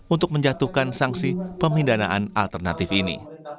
untuk menjatuhkan sanksi pemindanaan alternatif ini